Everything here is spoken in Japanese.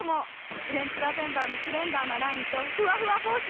フレンチラベンダーのスレンダーなラインとふわふわ帽子